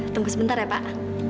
tunggu sebentar ya pak